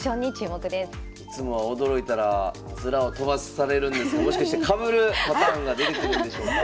いつもは驚いたらヅラを飛ばされるんですけどもしかしてかぶるパターンが出てくるんでしょうか？